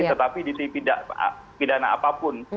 tetapi ditindak pidana apapun